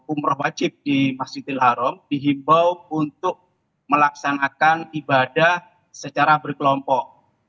umroh wajib di masjidil haram dihimbau untuk melaksanakan ibadah secara berkelompok